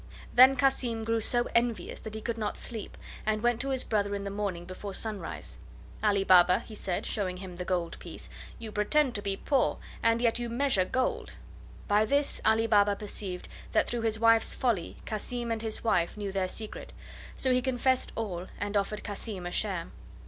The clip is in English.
Then Cassim grew so envious that he could not sleep, and went to his brother in the morning before sunrise. "Ali Baba," he said, showing him the gold piece, "you pretend to be poor and yet you measure gold." By this Ali Baba perceived that through his wife's folly Cassim and his wife knew their secret, so he confessed all and offered Cassim a share.